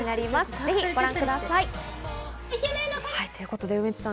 ぜひご覧ください。